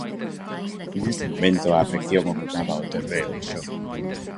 Nese momento a afección ocupaba o terreo de xogo.